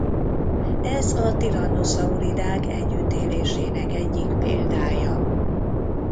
Ez a tyrannosauridák együttélésének egyik példája.